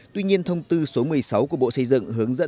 tuy nhiên thông tư số một mươi sáu của bộ xây dựng hướng dẫn